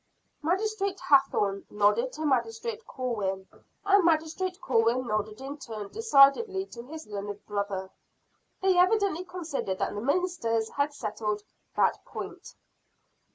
Magistrate Hathorne nodded to Magistrate Corwin, and Magistrate Corwin nodded in turn decidedly to his learned brother. They evidently considered that the ministers had settled that point.